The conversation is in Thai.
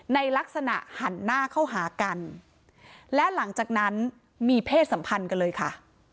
ในลักษณะหันหน้าเข้าหากันและหลังจากนั้นมีเพศสัมพันธ์กันเลยค่ะ